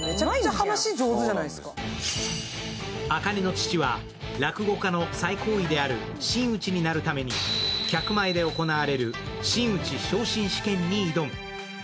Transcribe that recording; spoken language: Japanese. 朱音の父は落語家の最高位である真打になるために客前で行われる真打昇進試験に挑む。